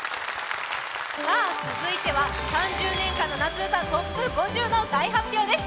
続いては３０年間の夏うたＴＯＰ５０の大発表です。